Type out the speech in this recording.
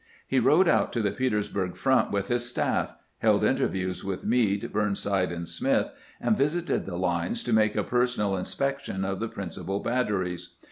He rode out to the Petersburg front with his staff, held interviews with Meade, Burn side, and Smith, and visited the lines to make a personal inspection of the principal batteries.